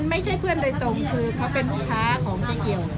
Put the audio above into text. ไม่ใช่เพื่อนโดยตรงคือเขาเป็นลูกค้าของเจ๊เกียว